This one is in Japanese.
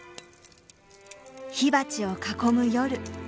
火鉢を囲む夜。